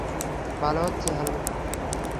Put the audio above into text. ভালো হচ্ছে, হাল্ক!